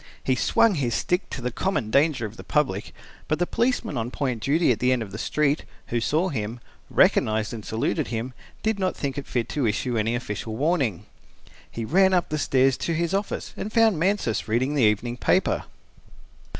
He swung his stick to the common danger of the public, but the policeman on point duty at the end of the street, who saw him, recognized and saluted him, did not think it fit to issue any official warning. He ran up the stairs to his office, and found Mansus reading the evening paper.